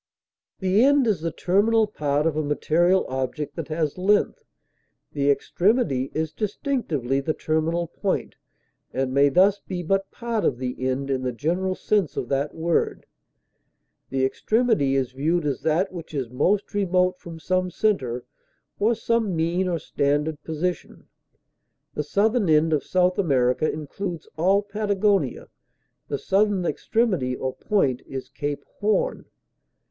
The end is the terminal part of a material object that has length; the extremity is distinctively the terminal point, and may thus be but part of the end in the general sense of that word; the extremity is viewed as that which is most remote from some center, or some mean or standard position; the southern end of South America includes all Patagonia, the southern extremity or point is Cape Horn.